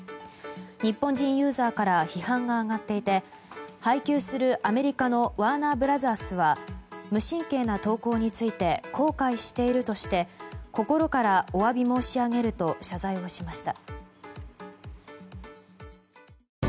日本人ユーザーから批判が上がっていて配給するアメリカのワーナー・ブラザースは無神経な投稿について公開しているとして心からお詫び申し上げると謝罪しました。